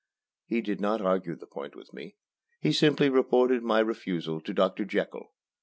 He did not argue the point with me. He simply reported my refusal to Doctor Jekyll.